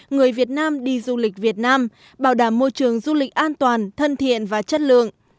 người việt nam đi du lịch việt nam bảo đảm môi trường du lịch an toàn thân thiện và chất lượng